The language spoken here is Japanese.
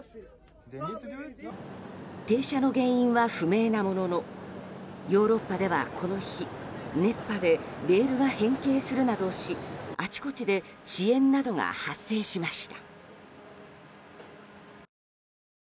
停車の原因は不明なもののヨーロッパではこの日、熱波でレールが変形するなどしあちこちで遅延などが発生しました。